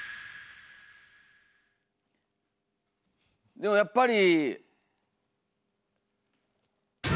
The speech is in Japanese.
でもやっぱり。